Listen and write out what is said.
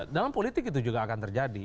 dalam politik itu juga akan terjadi